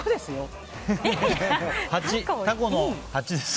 タコの８ですよ。